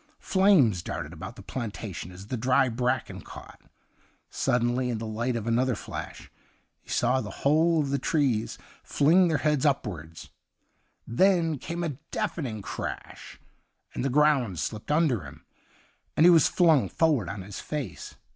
Flames darted about the planta tion as the dry bracken caught. Suddenly, in the light of another flashj he saw the whole of the trees fling their heads upwards ; then came a deafening crash, and the ground slipped under him, and he was flung forward on his face.